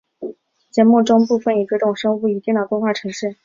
节目中部分已绝种生物以电脑动画呈现。